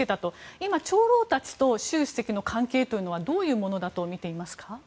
今、長老たちと習主席の関係というのはどういうものだと見ていますか。